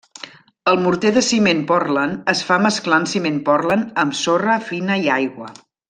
El morter de ciment Portland es fa mesclant ciment Portland amb sorra fina i aigua.